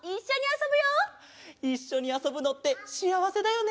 いっしょにあそぶのってしあわせだよね！